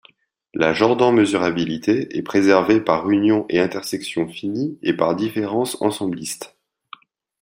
La Jordan-mesurabilité est préservée par union et intersection finies et par différence ensembliste.